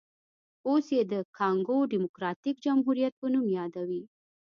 اوس یې د کانګو ډیموکراټیک جمهوریت په نوم یادوي.